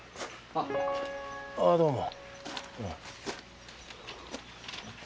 ああどうも。